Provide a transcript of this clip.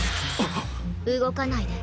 動かないで。